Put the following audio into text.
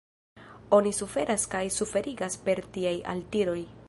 Oni suferas kaj suferigas per tiaj altiroj.